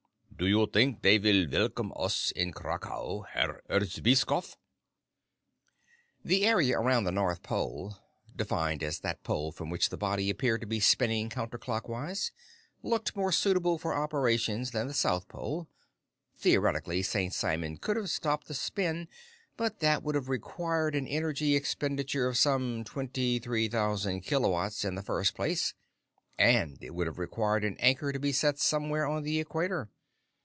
"Do you think they vill velcome us in Kraukau, Herr Erzbischof?" The area around the North Pole defined as that pole from which the body appears to be spinning counterclockwise looked more suitable for operations than the South Pole. Theoretically, St. Simon could have stopped the spin, but that would have required an energy expenditure of some twenty three thousand kilowatt hours in the first place, and it would have required an anchor to be set somewhere on the equator.